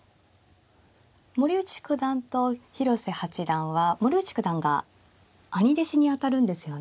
森内九段と広瀬八段は森内九段が兄弟子にあたるんですよね。